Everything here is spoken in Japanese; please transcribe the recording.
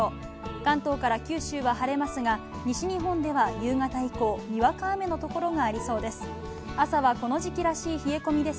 関東から九州は晴れますが、西日本では夕方以降、にわか雨の所がありそうです。